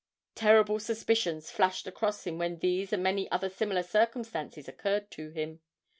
Terrible suspicions flashed across him when these and many other similar circumstances occurred to him.